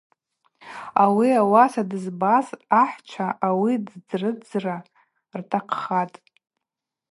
Ауи ауаса дызбаз ахӏчва ауи ддрыдзра ртахъхатӏ.